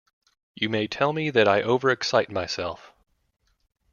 You may tell me that I over-excite myself.